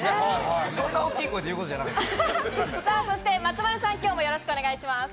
松丸さん、今日もよろしくお願いします。